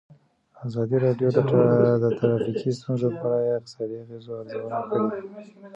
ازادي راډیو د ټرافیکي ستونزې په اړه د اقتصادي اغېزو ارزونه کړې.